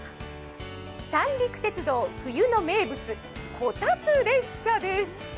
三陸鉄道冬の名物、こたつ列車です